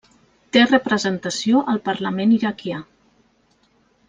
Té representació al Parlament Iraquià.